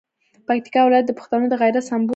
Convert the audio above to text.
پکتیکا ولایت د پښتنو د غیرت سمبول دی.